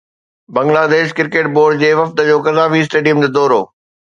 Bangladesh cricket board جي وفد جو قذافي اسٽيڊيم جو دورو